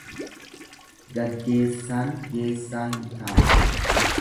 Gaggeessaan geessaa hin taatu.